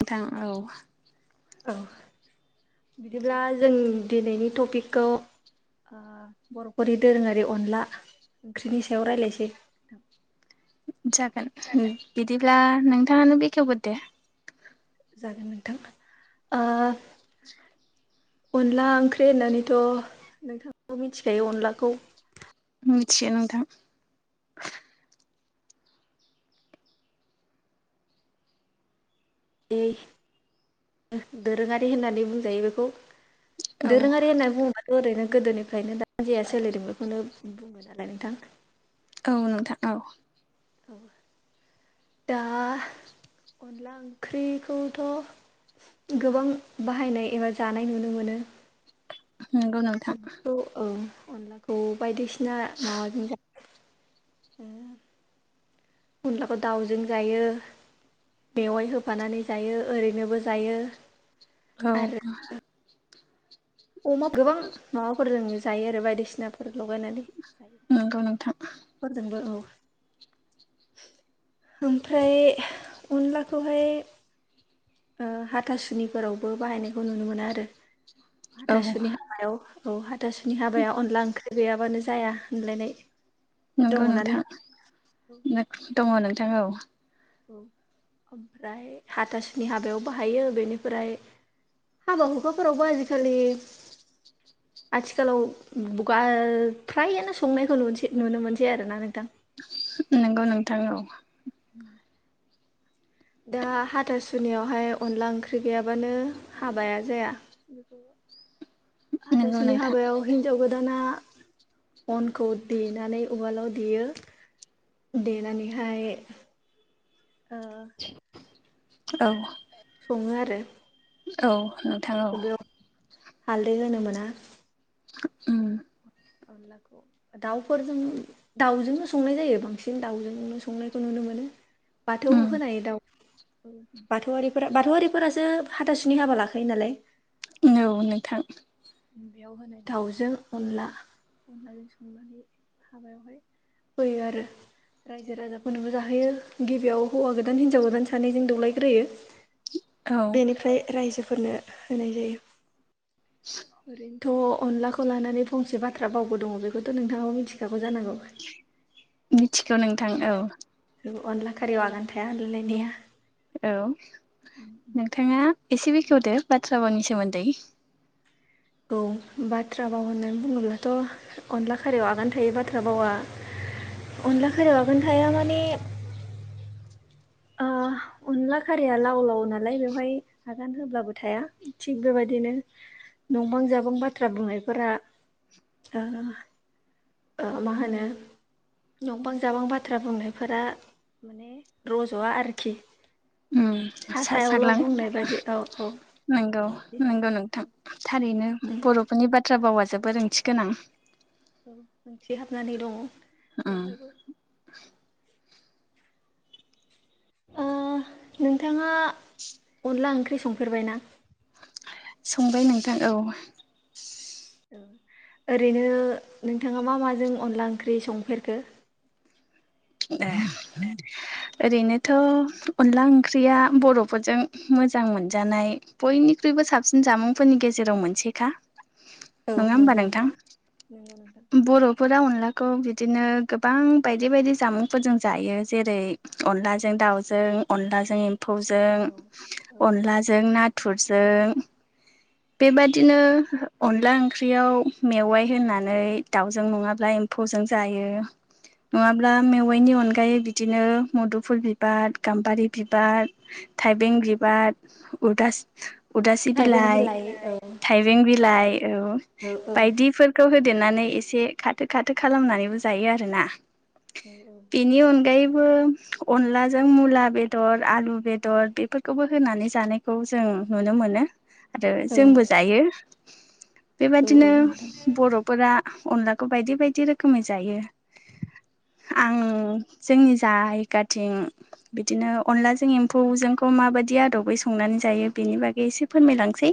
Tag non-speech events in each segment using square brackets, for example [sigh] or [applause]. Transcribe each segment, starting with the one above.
गोथां औ। औ बिदिब्ला जों दिनैनि टपिकखौ ओ बर'फोरनि दोरोङारि अनला ओंख्रिनि सायाव रायलायसै। जागोन हुम बिदिब्ला नोंथाङानो बेखेवगोरदो। जागो नोंथां ओ [inaudible] अनला ओंखरै होननानैथ' नोंथां मिथिखायो अनलाखौ मिथियो नोंथां। दि दोरोङारि होननानै बुंजायो बेखौ। औ दोरोङारि होनना बुङो ओरैनो गोदोनिफ्रायनो दा जेया सोलिदों बेखौनो बुङो नालाय नोंथां। औ नोंथां औ। औ दा अनला ओंख्रिखौथ' गोबां बाहायनाय एबा जानाय नुनो मोनो। नंगौ नोंथां मिद बौ औ अनलाखौ बायदिसिना माबाजों जा ए अनलाखौ दाउजों जायो। बेवाइ होफानानै जायो ओरैनोबो जायो। औ आरो अमा गोबां माबाफोरजों जायो आरो बायदिसिनाफोर लगायनानै नंगौ नोंथां। फोरजोंबो [inaudible] ओमफ्राय अनलाखौहाय ओ हाथासुनिफोरावबो बाहायनायखौ नुनो मोना आरो औ हाथासुनि हाबायाव। औ हाथासुनि हाबाया अनला ओंख्रि गैयाबानो जाया होनलायनाय। नंगौ नोंथां दङ नोंथां औ औ ओमफ्राय हाथासुनि हाबायाव बाहायो बेनिफ्राय हाबा हुखाफोरावबो आजिखालि आथिखालाव गा ओ फ्रायानो संनायखौ नसै नुनो मोनसै आरोना नोंथां नंगौ नोंथां औ उम दा हाथासुनियावहाय अनला ओंख्रि गैयाबानो हाबाया जाया नंगौ हाथासुनि नोंथां हाबायाव हिनजाव गो दाना अनखौ देनानै उवालाव देयो देनानैहाय ओ औ सङो आरो औ नोंथां औ बेयाव हालदै होनो मोना उम अनलाखौ दाउफोरजों दाउजोंनो संनाय जायो बांसिन दाउजोंनो संनायखौ नुनो मो नो बाथौ उम होनाय दाउ बाथौवारिफोरा बाथौवारिफोरासो हाथासुनि हाबा लाखायो नालाय औ नोंथां बेयाव होनाय दाउजों अनला अनलाजों संनानै हाबायावहाय होयो आरो रायजो राजाफोरनोबो जाहोयो गिबियाव हौवा गोदान हिनजाव गोदान सानैजों दौलायग्रोयो औ बेनिफ्राय रायजोफोरनो होनाय जायो ओरैनोथ' अनलाखौ लानानै फंसे बाथ्रा बावबो दङ बेखौथ' नोंथाङाव मिथिखा गौ जानांगौ नंगौ नोंथां औ अनला खारियाव आगान थाया होनलाय लायनाया औ नोंथाङा एसे बेखेवदो बाथ्रा बावनि सोमोन्दै औ बाथ्रा बाव होननानै बुङोब्लाथ' अनला खारियाव आगान थायै बाथ्रा बावा अनला खारियाव आगान थाया माने ओ अनला खारिया लाव लाव नालाय बेवहाय आगान होब्लाबो थाया थिग बेबायदिनो नंबां जाबां बाथ्रा बुंनायफोरा ओ ओ मा होनो नंबां जाबां बाथ्रा बुंनायफोरा माने रज'वा आरोखि उम सा साग्लां सायावल' बुंनाय बायदि औ औ नंगौ नंगौ बिदिनो नोंथां थारैनो उम बर'फोरनि बाथ्रा बावा जोबोर ओंथि गोनां औ ओंथि हाबनानै दङ उम बेवहायबो ओ नोंथाङा अनला ओंख्रि संफेरबाय ना संबाय नोंथां औ ओरैनो नोंथाङा मा माजों अनला ओंख्रि संफेरखो ए ओरैनोथ' अनला ओंख्रिया बर'फोरजों मोजां मोनजानाय बयनि निख्रुइबो साबसिन जामुंफोरनि गेजेराव मोनसेेखा औ नङा होमबा नंगौ नोंथां नंगौ नोंथां बर'फोरा अनलाखौ बि दिनो गोबां बायदि बायदि जामुंफोरजों जायो जेरै अनलाजों दाउजों अनलाजों एम्फौजों औ औ अनलाजों नाथुरजों [inaudible] बेबादिनो अनला ओंख्रियाव मेवाइ होनानै दाउजों नङाब्ला एम्फौ जों जायो नङा ब्ला मेवाइनि अनगायै बिदिनो मुदुफुल बिबार गाम्बारि बिबार थाइबें बिबार उरदास उदासि थाइबें बिलाइ औ थाइबें बिलाइ औ बायदिफोरखौ हो देरनानै एसे खाथो खाथो खालामनानैबो जायो आरोना औ बिनि अनगायै बो अनलाजों मुला बेदर आलु बेदर बेफोरखोबो होनानै जानायखौ जों नुनो मोनो आरो जोंबो जायो औ बेबादिनो नोंथां बरफोरा अनलाखौ बायदि बायदि रोखोमै जायो आं जोंनि जायगाथिं बिदिनो अनलाजों एम्फौजोंखौ मा माबादि आदबै संनानै जायो बेनि बागै एसे फोरमायलांसै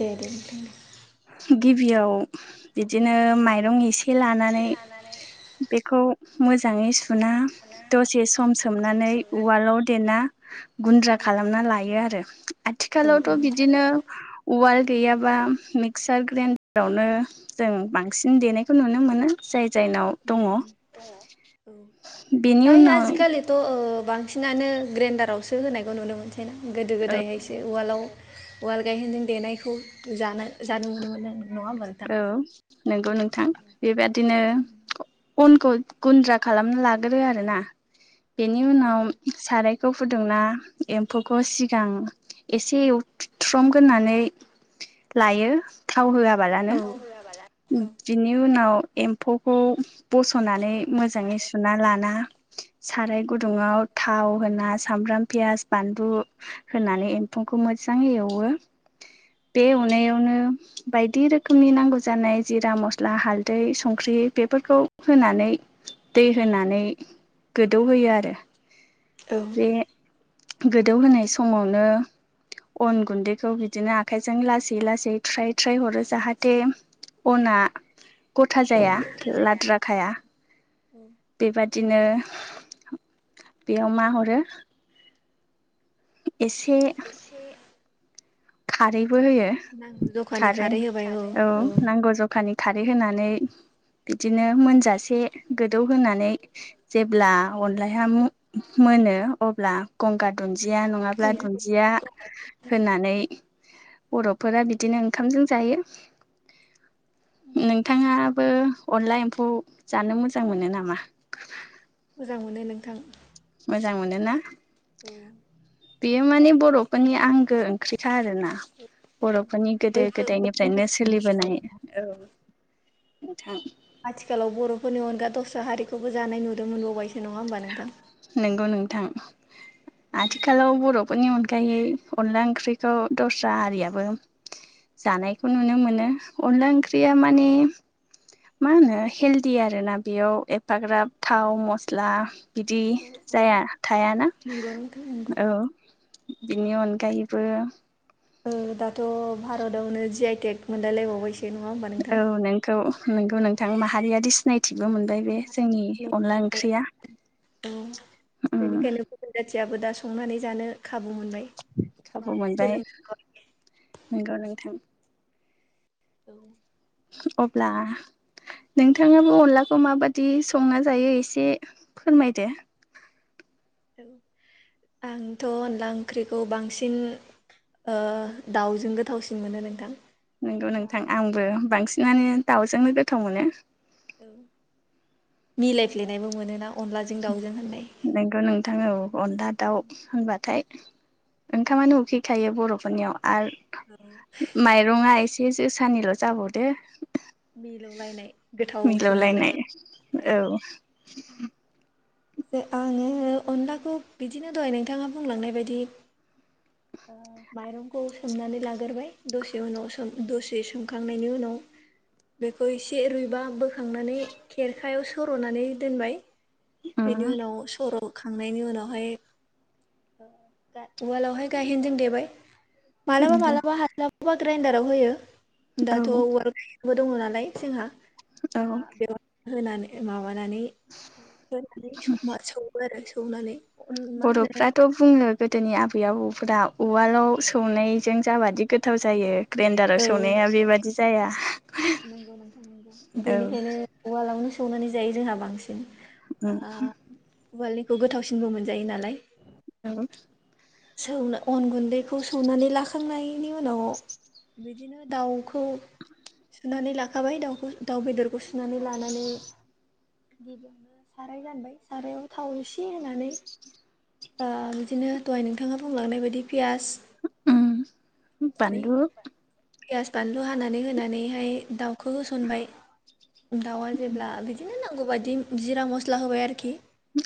दे दे नोंथां दे गिबियाव बिदिनो माइरं एसे लानानै बेखौ मोजाङै सुना दसे सम सोमनानै उवालाव देना गुन्द्रा औ खालामना लायो आरो औ आथिखालावथ बिदिनो वाल गैयाबा मिक्सार ग्रेन्डारावनो जों बांसिन देनायखौ नुनो मोनो जाय जायनाव दङ बेनि फ्राय उनाव आजिखालिथ' ओ बांसिनानो ग्रेन्डारावसो होनायखौ नुनो मोनसैना गोदो औ गोदायहायसो उवालाव उवाल गायहेनजों देनायखौ जानो जानो मोनोमोन [unintelligible] नोंथां औ नंगौ नोंथां बेबादिनो अनखौ गुन्द्रा खालामना लाग्रो आरोना बेनि औ उनाव साराय खौ फुदुंना एम्फौखौ सिगां एसे एवथ्रमग्रोनानै लायो थाव होआबालानो बिनि उनाव एम्फौखौ बसनानै मोजाङै सुना लाना साराय गुदुङाव थाव होना सामब्राम पियास बानलु होनानै एम्फौ खौ मोजाङै एवो [inaudible] बे एवनायावनो बायदि रोखोमनि नांगौ जानाय जिरा मस्ला हालदै संख्रि बेफोरखौ होनानै दै होनानै गोदौहोयो आरो औ गोदौ होनाय समावनो अन गुन्दैखौ बिदिनो आखाइजों लासै लासै थ्राय थ्राय हरो जाहाथे अना गथा जाया गथा जाया लाद्राखाया बेबादिनो बेयाव मा हरो एसे एसे खारैबो होयो खारै औ नांगौ जखानि खारै होनानै बिदिनो मोनजासे गोदौ होनानै जेब्ला अनलाहा मो-मो मोनो अब्ला गंगार दुन्दिया नङाब्ला दुन्दिया होनानै बरफोरा बिदिनो ओंखामजों जायो [inaudible] नोंथाङाबो अनला एम्फौ जानो मोजां मोनो नामा मोजां मोनो नोंथां मोजां मोनो ना औ बेयो माने बरफोरनि आंगो ओंख्रिखा आरोना औ बरफोरनि गोदो बयबो बयबो गोदायनिफ्रायनो मोजां। सोलिबोनाय औ नोंथां आथिखालाव बर'फोरनि अनगा दस्रा हारिखौबो जानाय नुदों मोनबावबायसो नङा होमबा नोंथां। नंगौ नोंथां आथिखालाव बर'। बेफोरनि अनगायै अनला ओंख्रिखौ दस्रा आरियाबो। जानायखौ नुनो मोनो अनला ओंख्रिया माने। मा होनो हेलदिि आरोोना बेयाव एफाग्राब थाव मस्ला बिदि बिदि औ औ जाया थायाना नंगौ नोंथां नंगौ औ। बिनि अनगायैबो। दाथ' भारतआवनो जि आइटेक मोनलायलायबावबायसो नङा होमबा औ नोंथां। नोंखौ नोंगौ नोंथां माहारियारि सिनायथि। थिगबो मोनबाय बे जोंनि अनला ओंख्रिया फुसियाबो दा संनानै जानो। खाबु मोनबाय मा खाबु मोनबाय सोलोंनोाबाय। नंगौ नोंथां औ। अब्लाब्ला। नोंथाङाबो अनलाखौ माबादि संना जायो एसे फोरमायदो। औ आंथ' अनला ओंख्रिखौ बांसिन। ओ दाउजों गोथावसिन मोनो नोंथां। नंगौ दा नोंथां आंबो बांसिनानो दाउजोंनो गोथाव मोनो। औ मिलायफ्लेनायबो मोनोना। अनलाजों दाउजों होननाय नंगौ नोंथां औ। अनला दाउ होनबाथाय ओंखामानो उखैखायो बर'फोरनियाव। औ आरो माइरंआ एसे जोसानिल' जाबावदो। मिलौलायनाय गोथावसिन नुलाय मिलौलायनाय औ थायो। आङो अनलाखौ बिदिनो दहाय नोंथाङा बुंलांनाय बायदि। औ। माइरंखौ सोमनानै लाग्रबाय दसे उनाव दसे सोमखांनायनि उनाव। बेखौ एसे रुइबा बोखांनानै खेरखायाव सर'नानै दोनबाय। बेनि उम उनाव सर'। खांनायनि उनावहाय उवालावहाय गायहेनदोंों देबाय। मालाबा नंगौ माबलाबा हास्लाबबा ग्राइन्दाराव होयो औ दाथ' वार। बो दङ नालाय जोंहा दा औ बेव होनानै माबानानै। साया सौो आरो सौनानै। अन मा होनो बर'फ्राथ' बुङ गोदोनि आबै आबौफोराव। उवालाव सौनायजों जाबादि गोथाव जायो ग्रेन्डाराव औ सौनाया बेबादि जाया। नंगौ नोंथां नंगौ औ बेनिखायनो उवालावनो सौनानै जायो जोंहा बांसिन। ओ [unintelligible] उवालनिखौ गोथावसिनबो मोनजायो नालाय। औ स अन गुन्दैखौ सौनानै लाख। खांनायनि उनाव बिदिनो दाउखौ। सुनानै लाखाबाय दाउखौ दाउ बेदरखौ सुनानै लानानै। गिबियावनो साराय गानबाय सारायाव थाव एसे होनानै। बिदिनो दहाय नोंथाङा बुंलांनाय बायदि। पियास उ बानलु। ऻफयास बानलु हानानै होनानैहाय दाउ। खौ होसनबाय दाउआ जेब्ला बिदिनो नांगौ बायदि जिरा मस्ला होबाय आरोखि।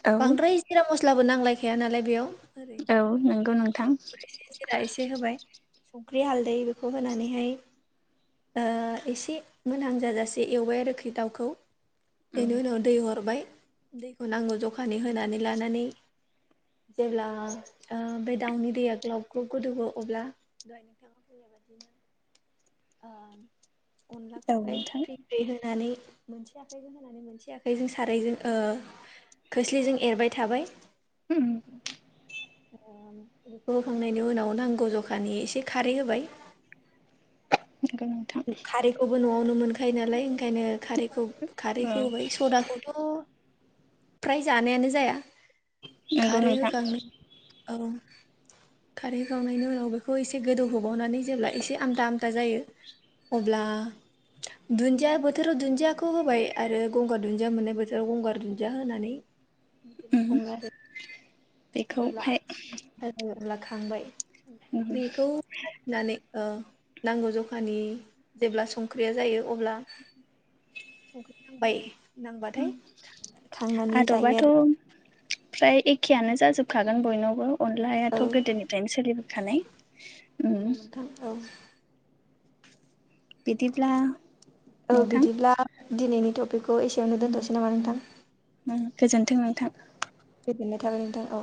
औ बांद्राय जिरा मस्लाबो नांलायखाया नालाय बेयाव। ओरैनो औ नंगौ नोंथां एसे जिरा एसे होबाय। संख्रि हालदै बेखौ होनानैहाय एसे मोनहां जाजासे एवबाय आरोख्रि दाउखौ उम बेनि उनाव दै हरबाय दैखौ नांगौ जखानि होनानै लानानै जेब्ला ओ बे दाउनि दैया ग्लब ग्लब गोदौओ अब्ला। बेबायदिनो औ अनलाखौहाय नोंथां फ्रि फ्रि होनानै मोनसे आखाइजों होनानै मोनसे आखाइजों सारायजों खोस्लिजों एरबाय थाबाय। उम ओमफ्राय बेखौ होखांनायनि उनाव नांगौ जखानि एसे खारै होबाय। नंगौ नोंथां खारैखौबो न'आवनो मोनखायो नालाय ओंखायनो खारै खारैखौ होबाय सदाखौथ' फ्राय जानायानो जाया। नंगौ नोंथां। ओं खारै होखांनायनि उनाव बेखौ एसे गोदौहोबावनानै जेब्ला एसे आमदा आमदा जायो। अब्ला दुन्दिया बोथोराव दुन्दियाखौ होबाय आरो गंगार दुन्दिया मोननाय बोथोराव गंगार दुन्दिया होनानै। [inaudible] बिदिनो उम सङो आरो जेब्ला बेखौहाय जायो अब्ला खांबाय। सुंख्रिखौ होनानै ओ नांगौ जखानि जेब्ला संख्रिया जायो अब्ला संख्रि नांबाय। नांबाथाय थांनानै जायो आदबाथ' आरो। फ्राय एखेयानो जाजोबखागोन बयनावबो अनलायाथ' औ गोदोनिफ्रायनो सोलिबोखानाय नंगौ ओम। नोंथां औ बिदिब्ला औ नोंथां बिदिब्ला दिनैनि टपिकखौ एसेयावनो दोनथ'सै नामा नोंथां? गोजोन्थों नोंथां। गोजोननाय थागोन नोंथां औ।